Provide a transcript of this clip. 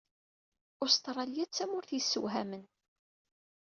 Ustṛalya d tamurt yessewhamen.